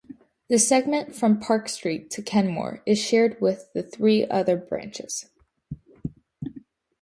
The segment from Park Street to Kenmore is shared with the three other branches.